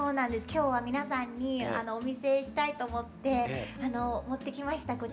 今日は皆さんにお見せしたいと思ってあの持ってきましたこちらに。